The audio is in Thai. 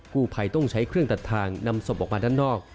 กู้ภัยต้องใช้เครื่องตัดทางนำศพออกมาด้านนอก